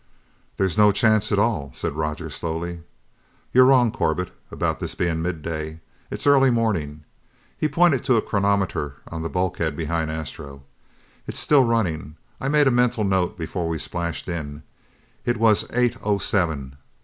"There's no chance at all," said Roger slowly. "You're wrong, Corbett, about this being midday. It's early morning!" He pointed to a chronometer on the bulkhead behind Astro. "It's still running. I made a mental note before we splashed in, it was eight O seven.